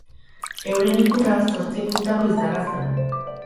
Euren ikurra zortzi puntako izarra zen.